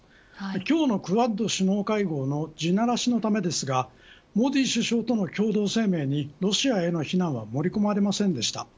今日のクアッド首脳会合の地ならしのためですがモディ首相との共同声明にロシアへの非難は盛り込まれませんでした。